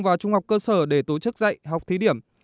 và trung học cơ sở để tổ chức dạy học thí điểm